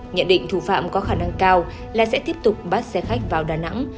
nhận định thủ phạm có khả năng cao là sẽ tiếp tục bắt xe khách vào đà nẵng